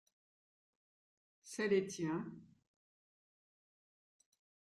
C’est les tiens.